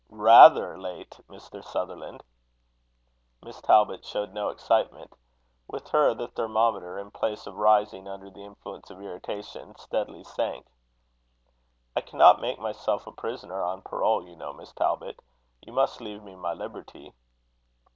"Rather late, Mr. Sutherland?" Miss Talbot showed no excitement. With her, the thermometer, in place of rising under the influence of irritation, steadily sank. "I cannot make myself a prisoner on parole, you know, Miss Talbot. You must leave me my liberty."